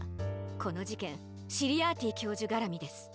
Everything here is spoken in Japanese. このじけんシリアーティ教授がらみです。